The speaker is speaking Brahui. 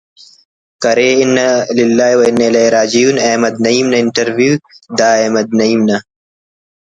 کرے انا للہ و انا الیہ راجعون احمد نعیم نا انٹرویو (دا احمد نعیم نا